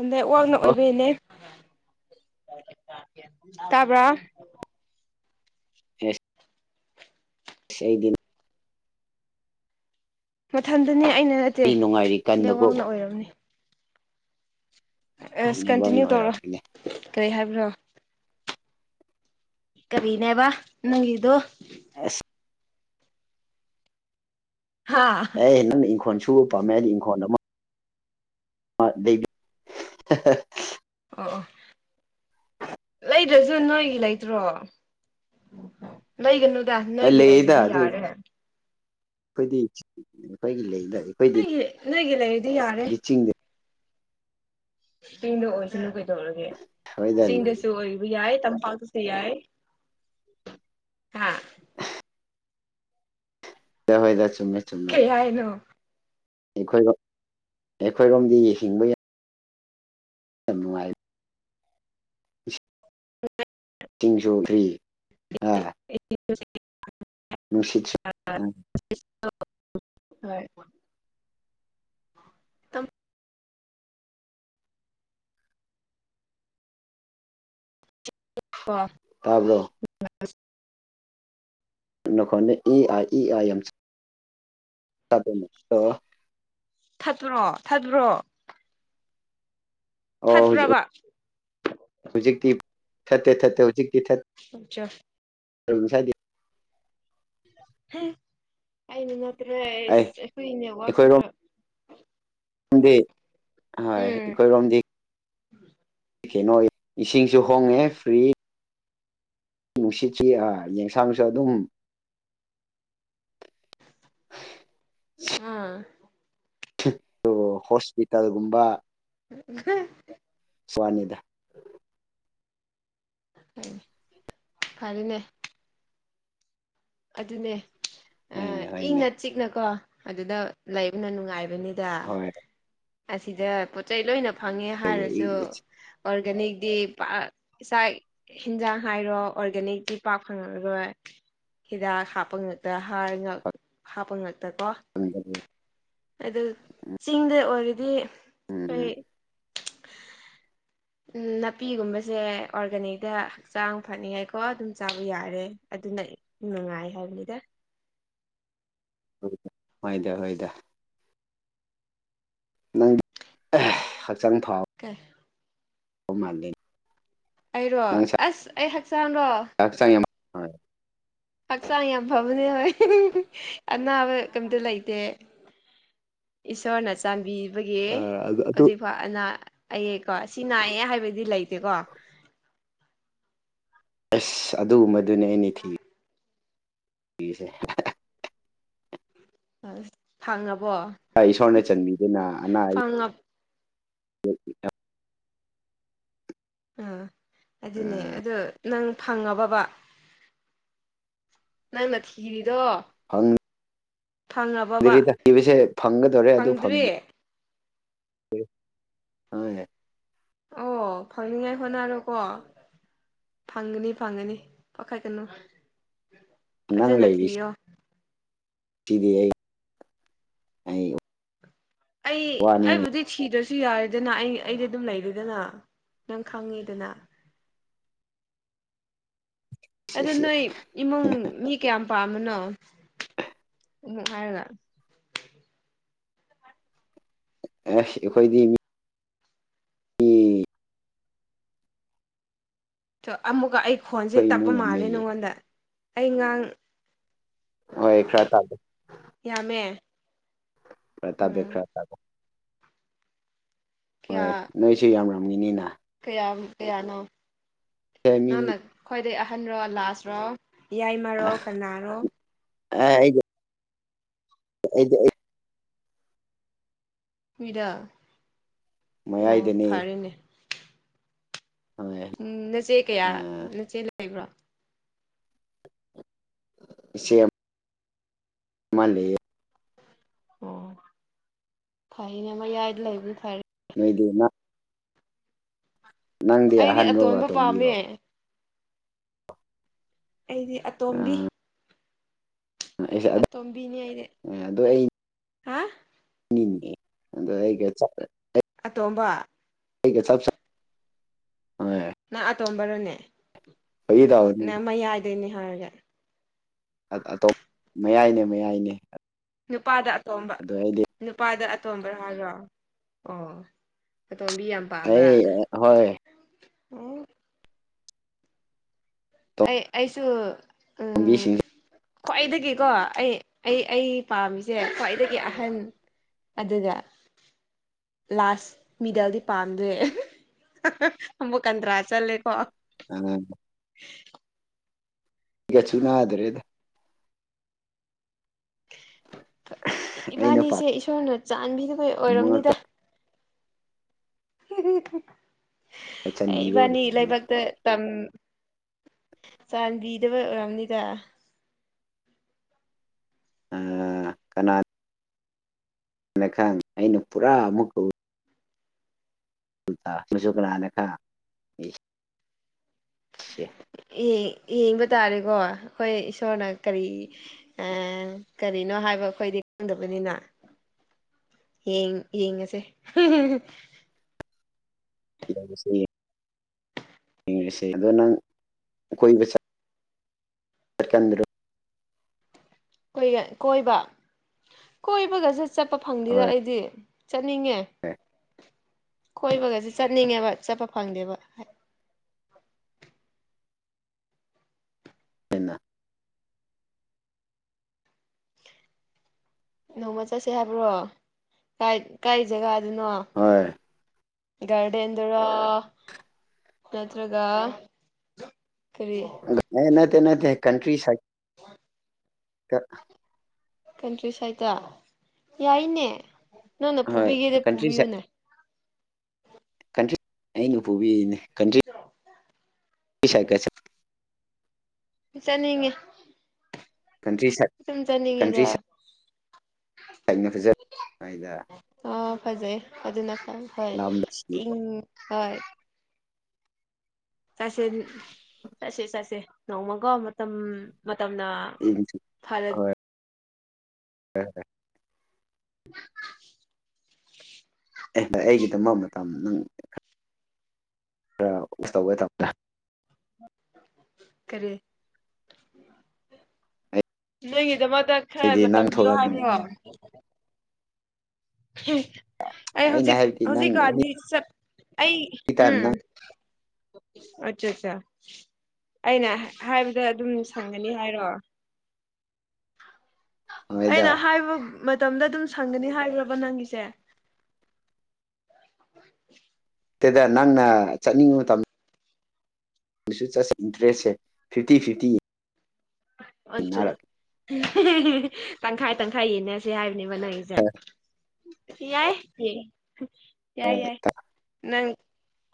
ꯑꯗꯨꯗ ꯋꯥꯋꯡꯅ ꯑꯣ ꯑꯣꯏꯕ ꯏꯅꯦ ꯇꯥꯕ꯭ꯔ ꯌꯦ ꯏꯁꯩꯩꯗꯅ ꯃꯊꯟꯗꯨꯅꯦ ꯑꯩꯅ ꯅꯠꯇꯦ ꯃꯤ ꯅꯨꯡꯉꯥꯏꯔꯤ ꯂꯩꯦꯋꯥꯡꯅ ꯀꯟꯕꯀꯣ ꯑꯣꯏꯔꯝꯅꯤ ꯑꯁ ꯀꯟꯇꯤꯅ꯭ꯌꯨ ꯅꯦꯠꯋꯥꯛꯅ ꯇꯧꯔꯣ ꯑꯣꯏꯔꯝꯃꯤꯅꯦ ꯀꯔꯤ ꯍꯥꯏꯕ꯭ꯔꯣ ꯀꯔꯤꯅꯦꯕ ꯅꯪꯗꯨꯣ ꯑꯁ ꯍꯥ ꯑꯦ ꯅꯪꯅ ꯏꯪꯈꯣꯜ ꯁꯨꯕ ꯄꯥꯝꯃꯦ ꯑꯩꯗꯤ ꯏꯪꯈꯣꯜ ꯑꯃ ꯑꯕꯤ ꯑꯣ ꯑ ꯂꯩꯗ꯭ꯔꯁꯨ ꯅꯣꯏꯒꯤ ꯂꯩꯇ꯭ꯔꯣ ꯂꯩꯒꯅꯨ ꯗꯅꯒꯔꯏ ꯑꯗꯨꯗꯤ ꯌꯥꯔꯦ ꯐꯗꯤ ꯄꯩꯒꯤ ꯂꯩꯦ ꯏꯗ ꯅꯒꯤ ꯅꯪꯒꯤ ꯂꯩ ꯏꯗꯤ ꯌꯥꯔꯦ ꯆꯤꯡꯗ ꯆꯤꯡꯗ ꯑꯣꯏꯁꯅꯨ ꯀꯩꯗꯧꯔꯒꯦ ꯍꯣꯏꯗ ꯂꯩꯗ ꯆꯤꯡꯗꯁꯨ ꯑꯣꯏꯔꯤꯕ ꯌꯥꯏ ꯇꯝꯄꯥꯛꯥꯎ ꯆ ꯁꯤ ꯍꯥ ꯗ ꯍꯣꯏꯗ ꯆꯨꯝꯃꯦ ꯆꯨꯝꯃꯦ ꯀꯩ ꯍꯥꯏꯅꯣ ꯑꯩꯈꯣꯏꯣ ꯑꯩꯈꯣꯏꯔꯣꯝꯗꯤ ꯌꯦ ꯍꯤꯡꯕ ꯌꯥꯏ ꯊꯅꯨꯡꯉꯥꯏ [inaudible] ꯍ ꯁꯤꯡꯁꯨꯣ ꯐ꯭ꯔꯤ ꯑꯥ [unintelligible] ꯑ ꯅꯨꯡꯁꯤꯠ ꯍꯣꯏ ꯇꯥꯕ꯭ꯔꯣ ꯑ ꯅꯈ ꯏ ꯑꯥꯏ ꯏ ꯑꯥꯏ ꯌꯥꯝꯣ [unintelligible] ꯊꯥꯠꯇ꯭ꯔꯣ ꯊꯥꯠꯇ꯭ꯔꯣ ꯑꯣ ꯍꯧꯖꯤꯛ ꯊꯠꯄ꯭ꯔꯕ ꯊꯠꯇ ꯊꯠꯇ ꯍꯧꯖꯤꯛ ꯑꯆꯥꯥ ꯁꯥꯏꯗꯤ ꯑꯩꯅ ꯑꯩ ꯅꯠꯇ꯭ꯔꯦꯁ ꯑꯩꯈꯣꯏ ꯅꯦꯠꯋꯋꯥꯛꯁꯤ ꯈ꯭ꯔ ꯝꯗꯤ ꯍꯣꯏ ꯎꯝ ꯑꯩꯈꯣꯏꯔꯣꯝꯗꯤ ꯀꯩꯅꯣ ꯏꯁꯤꯡꯁꯨ ꯍꯣꯡꯉꯦ ꯐ꯭ꯔꯤ ꯅꯨꯡꯁꯤꯠꯁꯤ ꯌꯦꯁꯥꯡꯁꯨ ꯑꯗꯨꯝ ꯑꯥ ꯍꯣꯁꯄꯤꯇꯥꯜꯒꯨꯝꯕ [inaudible] ꯁ꯭ꯋꯥꯅꯤꯗ ꯐꯔꯤꯅꯦ ꯑꯗꯨꯅꯦ ꯍꯣꯏꯅꯦ ꯍꯣꯏꯅꯦ ꯏꯪꯅ ꯆꯤꯛꯅꯀꯣ ꯑꯗꯨꯗ ꯂꯩꯕꯅ ꯅꯨꯡꯉꯥꯏꯕ ꯍꯥꯏꯕꯅꯤꯗ ꯍꯣꯏ ꯑꯁꯤꯗ ꯄꯣꯠ ꯆꯩ ꯂꯣꯏꯅ ꯐꯪꯉꯦ ꯍꯥꯏꯔꯁꯨ ꯑꯣꯔꯒꯥꯅꯤꯛꯇꯤ ꯄꯥꯛ ꯆꯥꯛ ꯏꯟꯖꯥꯡ ꯍꯥꯏꯔꯣ ꯑꯣꯔꯒꯥꯅꯤꯛꯇꯤ ꯄꯥꯛ ꯐꯪꯉꯔꯣꯏ ꯍꯤꯗꯥꯛ ꯍꯥꯞꯄ ꯉꯛꯇ ꯍꯥꯔ ꯍꯥꯞꯄ ꯉ ꯍ ꯑꯗꯨ ꯆꯤꯡꯗ ꯑꯣꯏꯔꯗꯤ ꯎꯝ ꯑꯩꯣꯏ [unintelligible] ꯎ ꯅꯥꯄꯤꯒꯨꯝꯕꯁꯦ ꯑꯣꯔꯒꯥꯅꯤꯛꯇ ꯍꯛꯆꯥꯡ ꯐꯅꯤꯡꯉꯥꯏꯀꯣ ꯑꯗꯨꯝ ꯆꯥꯕ ꯌꯥꯔꯦ ꯑꯗꯨꯅ ꯅꯨꯡꯉꯥꯏ ꯍꯥꯏꯕꯅꯤꯗ ꯍ ꯍꯣꯏꯗ ꯍꯣꯏꯗ ꯅꯪꯗꯤ ꯍꯛꯆꯥꯡ ꯐꯥꯎ ꯍ ꯃꯥꯗ ꯑꯩꯔꯣ ꯑꯁ ꯑꯩ ꯍꯛꯆꯥꯡꯔꯣ ꯍꯛꯆꯥꯡ ꯌꯥꯝ ꯍꯣꯏ ꯍꯛꯆꯥꯡ ꯌꯥꯝ ꯐꯕꯅꯦ ꯍꯣꯏ ꯑꯅꯥꯕ ꯀꯩꯝꯇ ꯂꯩꯇꯦ ꯏꯁꯣꯔꯅ ꯆꯥꯟꯕꯤꯕꯒꯤ ꯑꯗꯨ ꯑꯗꯨ ꯍꯧꯖꯤꯛꯐꯥꯎ ꯑꯅꯥ ꯑꯩꯀꯣ ꯁꯤ ꯅꯥꯏꯌꯦ ꯍꯥꯏꯕꯗꯤ ꯂꯩꯇꯦꯀꯣ ꯑꯦꯁ ꯑꯗꯨꯒꯨꯝꯕꯗꯨꯅꯦ ꯑꯩꯅ ꯊꯤꯔꯤꯁꯦ ꯌꯦꯁꯦ ꯑ ꯊꯥꯡꯉ [unintelligible] ꯏꯁꯣꯔꯅ ꯆꯟꯕꯤꯗꯨꯅ ꯑꯅꯥ ꯑꯌꯦꯛ ꯐꯪꯉ ꯍ ꯑꯥ ꯑꯗꯨꯅꯦ ꯑꯗꯨ ꯅꯪ ꯐꯪꯉꯕꯕꯥ ꯅꯪꯅ ꯊꯤꯔꯤꯗꯣ ꯐꯪꯉꯕꯕ ꯕꯁꯦ ꯐꯪꯒꯗꯣꯔꯦ ꯑꯗꯨ ꯐꯪ [unintelligible] ꯐꯪꯗ꯭ꯔꯤ ꯑ ꯑꯣ ꯐꯪꯅꯤꯉꯥꯏ ꯍꯣꯅꯔꯣ ꯀꯣ ꯐꯪꯒꯅꯤ ꯐꯪꯒꯅꯤ ꯄꯈꯥꯠ ꯀꯅꯣ ꯐꯖꯅ ꯊꯤꯌꯣ ꯁꯤꯗꯤ ꯑꯩ ꯑꯩꯕꯨꯗꯤ ꯊꯤꯗꯣꯏꯁꯤ ꯁꯤ ꯌꯥꯔꯦꯗꯅ ꯑꯩ ꯑꯩꯗꯤ ꯑꯗꯨꯝ ꯂꯩꯔꯦꯗꯅ ꯅꯪ ꯈꯪꯉꯦꯗꯅ ꯑꯗ ꯂꯩꯁꯦ ꯅꯣꯏ ꯏꯃꯨꯡ ꯑꯁ ꯃꯤ ꯀꯌꯥꯝ ꯄꯥꯝꯕꯅꯣ [unintelligible] ꯎꯝ ꯍꯥꯌꯔꯒꯥ ꯑꯦ ꯑꯩꯈꯣꯏꯗꯤ ꯃꯤ ꯑꯩꯈꯣꯏ ꯑꯣ ꯑꯃꯨꯛꯀ ꯑꯩ ꯈꯣꯟꯁꯦ ꯇꯞꯄ ꯏꯃꯨꯡ ꯃꯥꯜꯂꯦ ꯌꯥꯝꯃꯦꯌꯦ ꯅꯉꯣꯟꯗ ꯑꯩ ꯉꯥꯡ ꯑꯣ ꯏ ꯈꯔ ꯊꯥꯗꯦ ꯌꯥꯝꯃꯦ ꯄ ꯇꯞ ꯎꯝ ꯗꯦ꯭ꯔ ꯇꯕ [unintelligible] ꯀꯌꯥ ꯍꯣꯏ ꯅꯣꯏꯁꯨꯦ ꯌꯥꯝꯔꯝꯃꯤꯅꯤꯅ ꯀꯌꯥ ꯀꯌꯥꯅꯣ ꯃꯤ ꯅꯪꯅ ꯈ꯭ꯋꯥꯏꯗꯒꯤꯩ ꯑꯍꯟꯔꯣ ꯂꯥꯁ꯭ꯔꯣ ꯌꯥꯏꯃꯣ ꯀꯅꯥꯔꯣ ꯑꯑꯩꯗꯤ ꯑꯗꯨꯗ ꯗ ꯑꯣ ꯃꯌꯥꯏꯗꯅꯦ ꯐꯔꯦꯅꯦ ꯍꯣꯏ ꯎꯝ ꯅꯆꯦ ꯀꯌꯥ ꯅꯆꯦ ꯂꯩꯕ꯭ꯔꯣ ꯏꯆꯦ ꯃꯥ ꯂꯩꯌꯦ ꯑꯣ ꯐꯩꯅꯦ ꯑꯃ ꯌꯥꯏꯗ ꯂꯩꯕ ꯐꯔꯦ ꯂꯩꯣꯏꯗꯤ ꯃꯥ ꯅꯪꯗꯤ ꯑꯩꯗꯤ ꯑꯍꯟꯔꯣ ꯑꯇꯣꯟꯕ ꯑꯇꯣꯝꯕꯤꯔꯣ ꯄꯥꯝꯃꯦ ꯑꯩꯗꯤ ꯑꯇꯣꯝꯕꯤ ꯑꯩꯁꯦ ꯑ ꯇꯣꯝꯕꯅꯤꯗꯦ ꯍꯥ ꯅꯤꯦ ꯑ ꯍꯒ ꯆ [unintelligible] ꯇꯣꯡꯝꯕ ꯆꯁ [unintelligible] ꯅꯪ ꯑꯇꯣꯝꯕꯔꯣꯅꯦ ꯐꯒꯤ ꯇꯧꯕꯅꯤ ꯅꯪ ꯃꯌꯥꯏꯗꯅꯦ ꯍꯥꯏꯔꯒꯦ ꯑꯇꯣꯞ ꯃꯌꯥꯏꯅꯦ ꯃꯌꯥꯏꯅꯦ ꯅꯨꯄꯥꯗ ꯑꯇꯣꯝꯕ ꯑꯗꯣ ꯑꯩꯗꯤ ꯅꯨꯄꯥꯗ ꯑꯇꯣꯝꯕ ꯍꯥꯏꯔꯣ ꯑꯣ ꯑꯇꯣꯝꯕꯤ ꯌꯥꯝ ꯄꯥꯝꯕ꯭ꯔꯥ ꯑꯦ ꯍꯣꯏ ꯑꯣ ꯑꯩ ꯑꯩꯁꯨꯁꯨ ꯇꯣꯝꯕꯤꯁꯤꯡꯁꯦ ꯈ꯭ꯋꯥꯏꯗꯒꯤꯀꯣ ꯑꯩ ꯑꯩ ꯑꯩ ꯄꯥꯝꯃꯤꯁꯦ ꯈ꯭ꯋꯥꯏꯗꯒꯤ ꯑꯍꯟ ꯑꯗꯨꯒ ꯂꯥꯁ ꯃꯤꯗꯜꯗꯤ ꯄꯥꯝꯗ꯭ꯔꯦ ꯕꯨ ꯀꯗ꯭ꯔꯥ ꯆꯜꯦꯀꯣ ꯎꯝ [inaudible] ꯏꯒ ꯆꯨꯅ꯭ꯔꯦꯗ ꯑꯩꯅ ꯏꯕꯥꯅꯤꯁꯦ ꯄꯥꯝꯕ ꯏꯁꯣꯔꯅ ꯆꯥꯟꯕꯤꯗꯕꯩ ꯑꯣꯏꯔꯝꯅꯤꯗ ꯉꯥꯛꯇ ꯆꯟꯕꯤꯕ ꯏꯕꯥꯅꯤ ꯑꯣꯏꯕꯅꯤꯅꯦ ꯂꯩꯥꯏꯕꯛꯇ ꯇꯝ ꯆꯥꯟꯕꯤꯗꯕ ꯑꯣꯏꯔꯝꯅꯤꯗ ꯀꯅꯥ ꯀꯅ ꯈꯥꯟ ꯑꯏꯩꯅ ꯄꯨꯔꯥ ꯑꯃꯨꯀ ꯃꯁꯨ ꯀꯅꯥꯥꯅꯦ ꯈ ꯁꯤ ꯌꯦꯡꯕ ꯇꯥꯔꯦꯀꯣ ꯑꯩꯈꯣꯏ ꯏꯁꯣꯔꯅ ꯀꯔꯤ ꯀꯔꯤ ꯀꯩꯅꯣ ꯍꯥꯏꯕ ꯑꯩꯈꯣꯏꯗꯤ ꯈꯪꯗꯕꯅꯤꯅ [unintelligible] ꯌꯦꯡ ꯌꯦꯡꯉꯁꯦ ꯌꯦꯡꯁ ꯌꯦꯡꯁꯦ ꯑꯗꯣ ꯅꯪ ꯀꯣꯏꯕ ꯀꯦꯟꯗ꯭ꯔ ꯀꯣꯏꯕ ꯀꯣꯏꯕꯒꯁꯨ ꯆꯠꯄ ꯐꯪꯗꯦꯗ ꯍꯣꯏ ꯑꯩꯗꯤ ꯆꯠꯅꯤꯡꯉꯦ ꯀꯣꯏꯕꯒꯁꯦ ꯆꯠꯅꯤꯡꯉꯦꯕ ꯆꯠꯄ ꯐꯪꯗꯦꯕ ꯑꯟꯅ ꯅꯣꯡꯃ ꯆꯠꯁꯦ ꯍꯥꯏꯕ꯭ꯔꯣ ꯀꯥꯏ ꯖꯒꯥꯗꯨꯅꯣ ꯍꯣꯏ ꯒꯥꯔꯗꯦꯟꯗ꯭ꯔ ꯅꯠꯇ꯭ꯔꯒ ꯀꯔꯤ ꯅꯠꯇꯦ ꯅꯠꯇ ꯀꯟꯇ꯭ꯔꯤ ꯀꯟꯇ꯭ꯔꯤ ꯁꯥꯏꯠꯇ ꯌꯥꯏꯅꯦ ꯅꯪꯅ ꯍꯣꯏ ꯄꯨꯕꯤꯒꯦꯗ ꯀꯟꯇ꯭ꯔꯤ ꯁꯥꯏꯠ ꯄꯨꯕꯤꯌꯨꯅꯦ ꯀꯟꯇ꯭ꯔꯤ ꯑꯩꯅ ꯄꯨꯕꯤꯅꯦ ꯀꯟꯇ꯭ꯔꯤ ꯄꯤꯁꯥꯏ ꯀꯦꯁ ꯆꯠꯅꯤꯡꯉꯦ ꯀꯟꯇ꯭ꯔꯤ ꯁ ꯑꯗꯨꯝ ꯀꯟꯇ꯭ꯔꯤ ꯆꯠꯅꯤꯡꯉꯦꯗ ꯁ ꯂꯅꯖ ꯍꯥꯏꯗ ꯑ ꯐꯖꯩ ꯑꯗꯨꯅ ꯐ ꯂꯝ ꯍꯣꯏꯪ ꯍꯣꯏ ꯆꯁꯦ ꯆꯠꯁꯦ ꯆꯠꯁꯦ ꯅꯣꯡꯃꯒ ꯃꯇꯝ ꯇꯝꯅ ꯐꯥ ꯍꯣꯏ ꯍ [inaudible] ꯑꯦ ꯑꯩꯒꯤꯗꯃ ꯃꯇꯝ ꯅꯪ ꯈꯔ ꯎꯁ ꯇꯧꯒꯦ ꯇꯧꯕꯅꯤꯗꯥ ꯀꯦ ꯅꯗ ꯃꯥ ꯈꯔ ꯑꯩꯗꯤ ꯃꯇꯝ ꯅꯪ ꯄꯤꯌꯣ ꯊꯣꯛꯂꯛꯀꯅꯤ ꯍꯥꯏꯕꯣ ꯑꯩ ꯑꯩꯅ ꯍꯧꯖꯤꯛ ꯍꯥꯏꯕꯗꯤ ꯅꯪ ꯑꯦꯅꯤ ꯍꯧꯖꯤꯛꯀꯗꯤꯠ ꯑꯩ ꯇꯥꯏꯝ ꯎꯝ ꯅꯪ ꯑꯆꯥꯆꯥ ꯑꯩꯅ ꯍꯥꯏꯕꯗ ꯑꯗꯨꯝ ꯁꯪꯒꯅꯤ ꯍꯥꯏꯔꯣ [inaudible] ꯑꯩꯅ ꯍꯣꯏꯗ ꯍꯥꯏꯕ ꯃꯇꯝꯗ ꯑꯗꯨꯝ ꯁꯪꯒꯅꯤ ꯍꯥꯏꯈ꯭ꯔ ꯕꯅꯪꯁꯦ ꯇꯦꯗ ꯅꯪꯅ ꯆꯠꯅꯤꯡꯉꯕ ꯃꯇꯝ ꯑꯗꯨꯁꯨ ꯆꯠꯁꯤ ꯏꯟꯇꯔꯦꯁꯁꯦ ꯐꯤꯐꯇꯤ ꯐꯤꯐꯇꯤ ꯑ ꯌꯦꯡꯅꯔꯛ ꯇꯪꯈꯥꯏ ꯇꯪꯈꯥꯏ ꯌꯦꯅꯦꯁꯦ ꯍꯥꯏꯕ ꯕꯅꯥꯖ ꯌꯥꯏ ꯌꯦ ꯌꯥꯏ ꯌꯥꯏ ꯅꯪ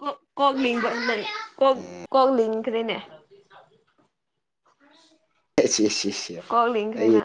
ꯀꯣꯛ ꯀꯣꯛꯅꯤꯡꯕ ꯅꯪ ꯀ ꯀꯣꯒ ꯂ ꯀꯗꯅꯦ [inaudible] ꯁꯤ ꯁꯤ ꯁꯤ ꯀꯣꯂꯤꯈ꯭ꯔꯦꯅ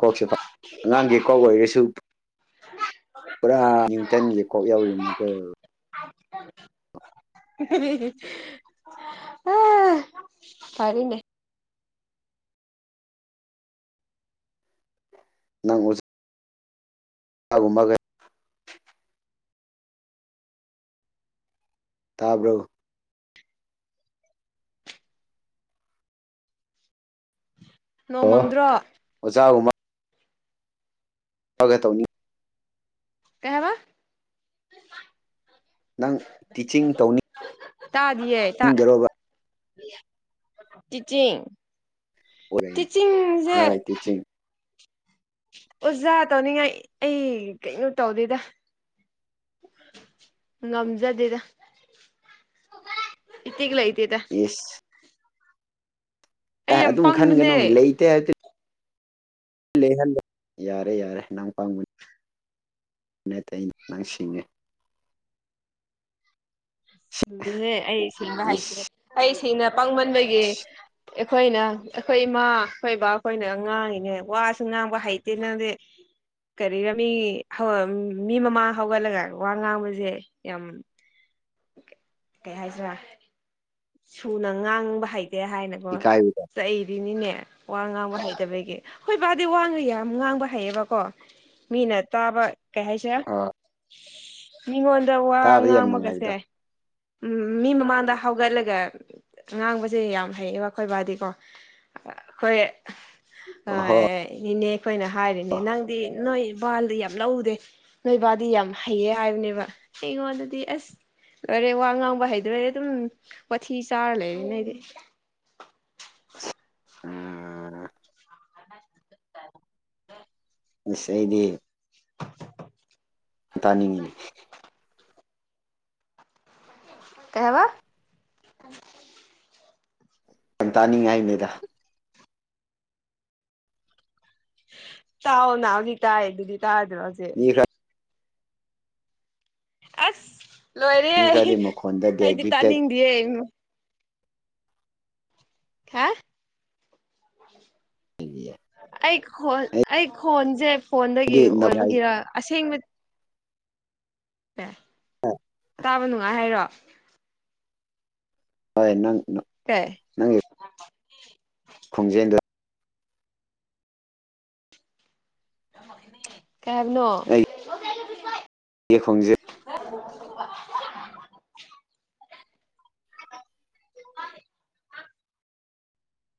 ꯀꯣꯛꯁꯦ ꯑꯉꯥꯡꯒꯤ ꯀꯣꯛ ꯑꯣꯏꯔꯁꯨ ꯄꯨꯔꯥ ꯅ꯭ꯌꯨꯇꯟꯒꯤ ꯀꯣꯛ ꯌꯧꯔꯤꯅꯦꯒ ꯎ ꯑ ꯐꯔꯅꯦ ꯅꯪ ꯑꯣ ꯀꯒꯨꯝꯕꯒ ꯇꯥꯕ꯭ꯔꯣ ꯑꯣ ꯅꯣꯡꯃꯪꯗ꯭ꯔꯣ ꯁ꯭ꯋꯥꯒ ꯇꯧꯅꯤ ꯀꯩꯋꯥ ꯅꯪ ꯇꯤꯆꯤꯡ ꯇꯧꯅꯤ ꯇꯥꯗꯌꯦ ꯇꯥ ꯇꯤꯆꯤꯡ ꯑꯣꯏꯔꯛꯏ ꯇꯤꯆꯤꯡꯁꯦ ꯍꯣꯏ ꯇꯤꯆꯤꯡ ꯑꯣꯖꯥ ꯇꯧꯅꯤꯡꯉꯥꯏ ꯑꯩ ꯀꯩꯅꯣ ꯇꯧꯗꯦꯗ ꯉꯝꯖꯗꯦꯗ ꯏꯠꯇꯒꯂ ꯏꯁ ꯑꯩ ꯑꯦ ꯌꯥꯝ ꯑꯗꯨꯝ ꯈꯟꯒꯅꯨ ꯄꯪꯕꯅꯦ ꯂꯩꯇꯦ ꯍꯥꯏ ꯂꯩꯍꯜꯂ ꯌꯥꯔꯦ ꯌꯥꯔꯦ ꯅꯪ ꯄꯪꯕꯅꯤ ꯅꯇꯩꯁꯤꯡꯉꯤ ꯍꯦ ꯑꯩ ꯁꯤꯁꯤꯡꯕ ꯍꯥꯏꯇꯦ ꯏꯁ ꯑꯩ ꯁꯤꯅ ꯄꯥꯡꯃꯟꯕꯒꯤ ꯑꯩꯈꯣꯏꯅ ꯑꯩꯈꯣꯏ ꯏꯃꯥ ꯑꯩꯈꯣꯏ ꯕꯥꯈꯣꯏꯅ ꯉꯥꯡꯉꯤꯅꯦ ꯋꯥꯁꯨ ꯉꯥꯡꯕ ꯍꯩꯇꯦ ꯅꯪꯗꯤ ꯀꯔꯤꯔꯃꯤ ꯃꯤ ꯃꯃꯥꯡ ꯍꯧꯒꯠꯂꯒ ꯋꯥ ꯉꯥꯡꯕꯁꯦ ꯌꯥꯝ ꯀꯩ ꯍꯥꯏꯁꯤꯔꯥ ꯁꯨꯅ ꯉꯥꯡꯕ ꯍꯥꯏ ꯑꯦ ꯍꯥꯏꯅꯀꯣ ꯏꯀꯥꯏ ꯆꯏꯔꯤꯅꯤꯅꯦ ꯋꯥ ꯉꯥꯡꯕ ꯍꯩꯇꯕꯒꯤ ꯍꯣꯏ ꯕꯥꯗꯤ ꯋꯥꯅ ꯌꯥꯝ ꯉꯥꯡꯕ ꯍꯩꯌꯦꯕꯀꯣ ꯃꯤꯅ ꯇꯥꯕ ꯀꯩ ꯍꯥꯏꯁꯦ ꯑ ꯃꯤꯉꯣꯟꯗ ꯋꯥ ꯇꯥꯕꯗ ꯌꯥꯝ ꯅꯨꯡꯉꯥꯏꯕꯗꯣ ꯉꯥꯡꯃꯒꯁꯦ ꯎꯝ ꯃꯤ ꯃꯃꯥꯟꯗ ꯍꯥꯎꯒꯂ ꯑꯗꯨꯒ ꯉꯥꯡꯕꯁꯦ ꯌꯥꯝ ꯍꯩꯌꯦ ꯋꯥꯈꯣꯏꯕꯥꯗꯤꯀꯣ ꯑꯩꯈꯣꯏ ꯑ ꯑꯍꯣ ꯏꯅꯦ ꯑꯩꯈꯣꯏꯅ ꯍꯥꯏꯔꯤꯅꯦ ꯅꯪꯗꯤ ꯅꯣꯏ ꯕꯥꯜꯗꯤ ꯌꯥꯝ ꯂꯧꯗꯦ ꯅꯣꯏꯕꯥꯜꯗꯤ ꯌꯥꯝ ꯍꯩꯌꯦ ꯍꯥꯏꯕꯅꯦꯕ ꯑꯩꯉꯣꯟꯗꯗꯤ ꯑꯁ꯫ ꯂꯣꯏꯔꯦ ꯋꯥ ꯉꯥꯡꯕ ꯍꯩꯗ꯭ꯔꯦ ꯑꯗꯨꯝ ꯋꯥꯊꯤ ꯆꯥꯔ ꯂꯩꯔꯤꯅꯦ ꯑꯩꯗꯤ꯫ ꯑꯥ꯫ ꯑꯁ ꯑꯩꯗꯤ꯫ ꯇꯥꯅꯤꯡꯉꯤꯅꯤ꯫ ꯀꯩꯍꯥꯏꯕ꯫ ꯌꯥꯝ ꯇꯥꯅꯤꯡꯉꯤ ꯍꯏꯝꯅꯦꯗ꯫ ꯇꯥꯎꯑꯣꯅ ꯍꯧꯖꯤꯛ ꯇꯥꯏꯗꯨꯗꯤ ꯇꯥꯗ꯭ꯔꯣꯁꯦ꯫ ꯃꯤ ꯈꯔ ꯑꯁ ꯂꯣꯏꯔꯦ ꯃꯤ ꯑꯩ ꯈꯔꯗꯤ ꯃꯈꯣꯟꯗ ꯗꯦ ꯑꯩꯗꯤ ꯒꯤꯐꯇꯦꯠ ꯇꯥꯅꯤꯡꯗꯌꯦ ꯫ ꯍꯥ ꯍꯥꯏꯗꯤ ꯑꯩ꯫ ꯈꯣꯟ ꯑꯩ ꯈꯣꯟꯁꯦ ꯐꯣꯟꯗꯒꯤ ꯑꯣꯏꯕꯒꯤꯔ ꯑꯁꯦꯡꯕ꯫ [unintelligible] ꯑꯣ꯫ ꯇꯥꯕ ꯅꯨꯡꯉꯥꯏ ꯍꯥꯏꯔꯣ꯫ ꯍꯣꯏ ꯅꯪ꯫ ꯀꯩ꯫ ꯈꯣꯡꯖꯦꯜꯗꯣ꯫ ꯀꯩ ꯍꯥꯏꯕꯅꯣ꯫ ꯌꯦ ꯈꯣꯡꯖꯦꯟ꯫ [unintelligible] [unintelligible]